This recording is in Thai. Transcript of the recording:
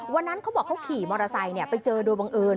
เขาบอกเขาขี่มอเตอร์ไซค์ไปเจอโดยบังเอิญ